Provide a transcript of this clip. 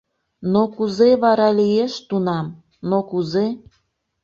Но кузе вара лиеш тунам, но кузе